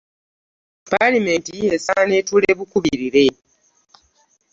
Ppaalamenti esaana etuule bukubirire.